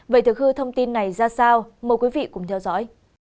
vậy thực hư thông tin này ra sao mời quý vị cùng theo dõi